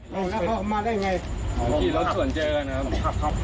แล้วเขาเข้ามาได้ยังไงขี่รถสวนเจอนะครับครับครับ